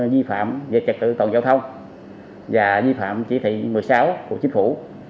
vi phạm về trật tự toàn giao thông và vi phạm chỉ thị một mươi sáu của chính phủ